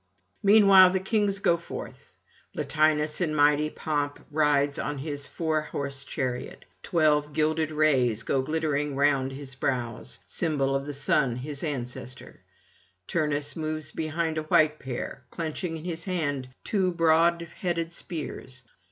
Meanwhile the kings go forth; Latinus in mighty pomp rides in his four horse chariot; twelve gilded rays go glittering round his brows, symbol of the Sun his ancestor; Turnus moves behind a white pair, clenching in his hand two broad headed spears.